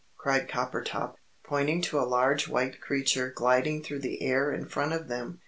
cried Coppertop, pointing to a large white creature gliding through the air in front of them.